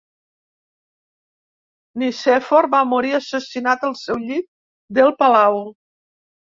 Nicèfor va morir assassinat al seu llit del palau.